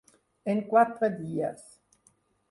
En quatre dies.